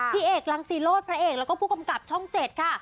พี่เอกลังซีรตุพระเอกก็ท่องเจ็ดค่ะ